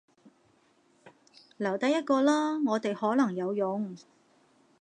留低一個啦，我哋可能有用